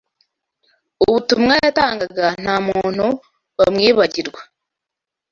ubutumwa yatangaga nta muntu wamwibagirwa.”